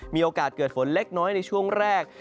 มีโอกาสเกิดฝนเล็กน้อยในช่วงแรก